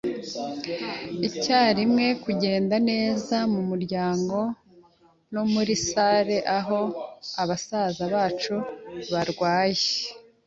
icyarimwe, kugenda neza mumuryango no muri salle, aho abasaza bacu barwaye